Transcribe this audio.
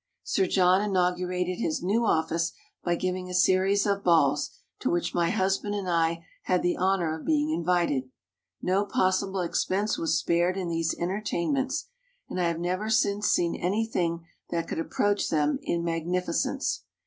Sir John inaugurated his new office by giving a series of balls, to which my husband and I had the honor of being invited. No possible expense was spared in these entertain ments, and I have never since seen any thing that could approach them in mag nificence.